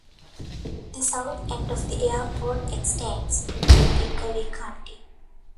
The south end of the airport extends into Pickaway County.